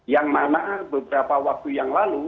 yang mana beberapa waktu yang lalu